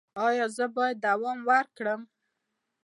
ایا زه باید دوام ورکړم؟